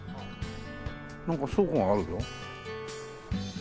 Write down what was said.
なんか倉庫があるぞ。